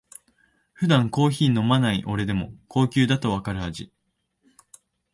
普段コーヒー飲まない俺でも高級だとわかる味